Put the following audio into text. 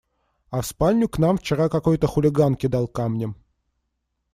А в спальню к нам вчера какой-то хулиган кидал камнем.